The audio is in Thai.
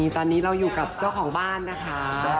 ตอนนี้เราอยู่กับเจ้าของบ้านนะคะ